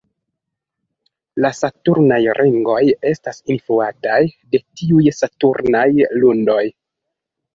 La saturnaj ringoj estas influataj de tiuj saturnaj lunoj.